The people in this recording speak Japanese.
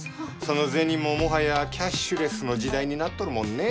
その銭ももはやキャッシュレスの時代になっとるもんね。